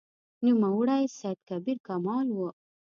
نوموړی سید کبیر کمال و.